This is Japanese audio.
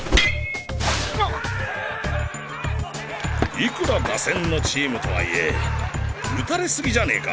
いくら打線のチームとはいえ打たれ過ぎじゃねえか？